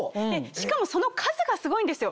しかもその数がすごいんですよ。